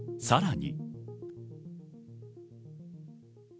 さらに。